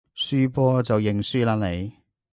輸波就認輸啦你